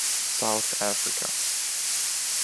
South Africa.